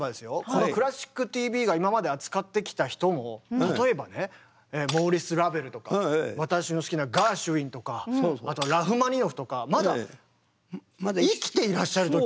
この「クラシックＴＶ」が今まで扱ってきた人も例えばねモーリス・ラヴェルとか私の好きなガーシュウィンとかあとラフマニノフとかまだ生きていらっしゃる時。